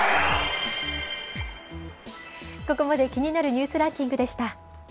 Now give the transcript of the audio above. ここまで気になるニュースランキングでした。